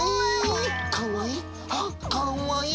かわいい！